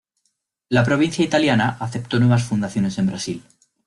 La provincia italiana aceptó nuevas fundaciones en Brasil.